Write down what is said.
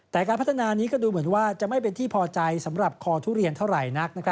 แต่การพัฒนานี้ก็ดูเหมือนว่าจะไม่เป็นที่พอใจสำหรับคอทุเรียนเท่าไหร่นัก